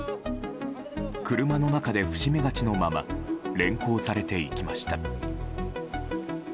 車の中で伏し目がちのまま連行されていきました。